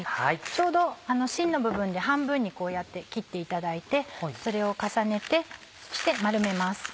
ちょうどしんの部分で半分にこうやって切っていただいてそれを重ねてそして丸めます。